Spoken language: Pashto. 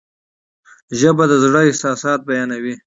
ژبه د زړه احساسات بیانوي.